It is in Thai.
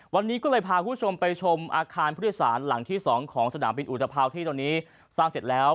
วันนี้ก็เลยพาคุณผู้ชมไปดูกันอาคารผู้โดยสารเป็นหลังที่๒ของสนามบินอุตพรรณ์ที่สร้างเสร็จแล้ว